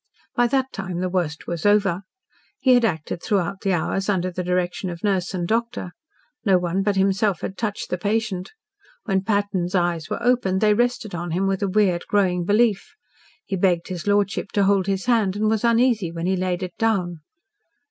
By that time the worst was over. He had acted throughout the hours under the direction of nurse and doctor. No one but himself had touched the patient. When Patton's eyes were open, they rested on him with a weird growing belief. He begged his lordship to hold his hand, and was uneasy when he laid it down.